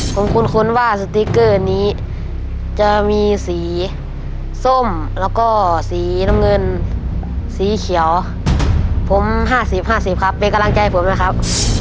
ผมคุ้นว่าสติ๊กเกอร์นี้จะมีสีส้มแล้วก็สีน้ำเงินสีเขียวผม๕๐๕๐ครับเป็นกำลังใจให้ผมด้วยครับ